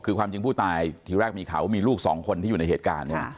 คือความจริงผู้ตายทีแรกมีข่าวว่ามีลูกสองคนที่อยู่ในเหตุการณ์เนี่ย